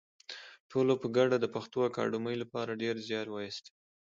ټولو په ګډه د پښتو اکاډمۍ لپاره ډېر زیار وایستی